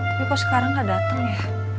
tapi kok sekarang gak datang ya